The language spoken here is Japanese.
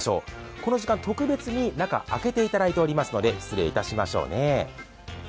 この時間、特別に中、開けていただいておりますので失礼いたしましょうね。